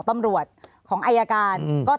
ภารกิจสรรค์ภารกิจสรรค์